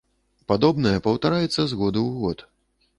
Падобнае паўтараецца з году ў год.